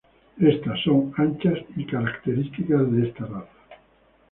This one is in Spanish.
Estas son anchas y son características para esta raza.